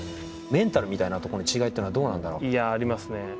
メンタルみたいなとこの違いっていうのはどうなんだろう？ありますね。